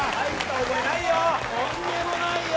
とんでもないよ